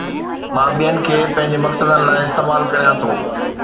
مان ٻين کي پنهنجي مقصدن لاءِ استعمال ڪريان ٿو